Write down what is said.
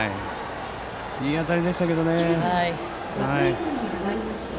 いい当たりでしたけどね。